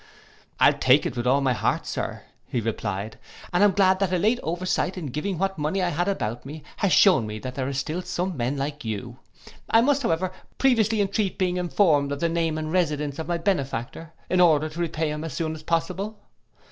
'I take it with all my heart, Sir,' replied he, 'and am glad that a late oversight in giving what money I had about me, has shewn me that there are still some men like you. I must, however, previously entreat being informed of the name and residence of my benefactor, in order to repay him as soon as possible.